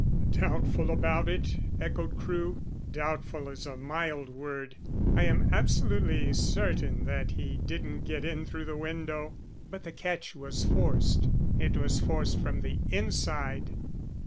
"Doubtful about it?" echoed Crewe. "Doubtful is a mild word. I am absolutely certain that he didn't get in through the window." "But the catch was forced." "It was forced from the inside."